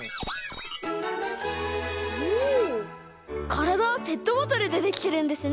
からだはペットボトルでできてるんですね。